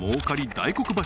大黒柱